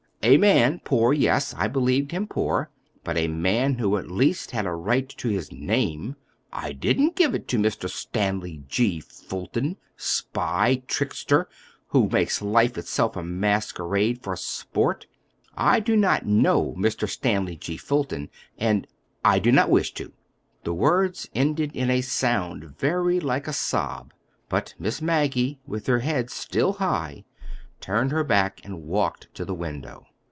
A man—poor, yes, I believed him poor; but a man who at least had a right to his name! I didn't give it to Mr. Stanley G. Fulton, spy, trickster, who makes life itself a masquerade for sport! I do not know Mr. Stanley G. Fulton, and—I do not wish to." The words ended in a sound very like a sob; but Miss Maggie, with her head still high, turned her back and walked to the window.